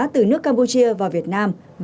từ nước campuchia vào việt nam